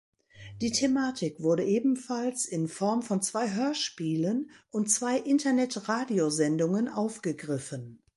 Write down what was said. Die Thematik wurde ebenfalls in Form von zwei Hörspielen und zwei Internetradio-Sendungen aufgegriffen.